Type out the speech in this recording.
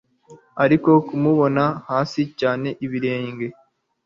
Ariko kumubona hasi cyane ibirenge